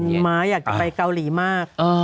คุณม้าอยากจะไปเกาหลีมาก